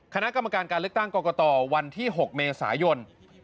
คณะกรรมการการเลือกตั้งกรกตวันที่๖เมษายน